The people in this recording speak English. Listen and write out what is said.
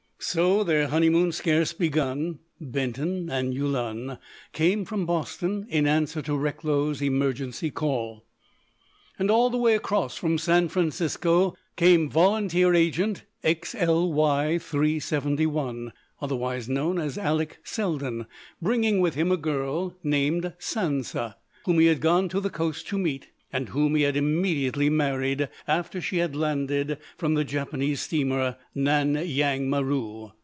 So,—their honeymoon scarce begun, Benton and Yulun came from Boston in answer to Recklow's emergency call. And all the way across from San Francisco came volunteer agent XLY 371, otherwise Alek Selden, bringing with him a girl named Sansa whom he had gone to the coast to meet, and whom he had immediately married after she had landed from the Japanese steamer Nan yang Maru.